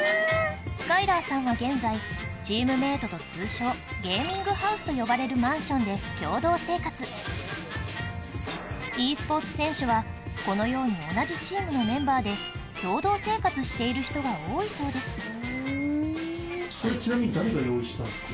ＳＫＹＬＡＲさんは現在チームメイトと通称ゲーミングハウスとよばれるマンションで共同生活ｅスポーツ選手はこのように同じチームのメンバーで共同生活している人が多いそうです